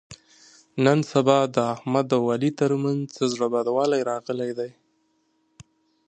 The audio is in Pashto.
نن سبا د احمد او علي تر منځ څه زړه بدوالی راغلی دی.